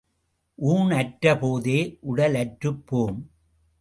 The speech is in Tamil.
ஊண் அற்ற போதே உடல் அற்றுப் போம்.